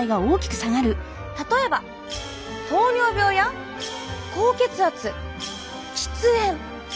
例えば糖尿病や高血圧喫煙そして肥満。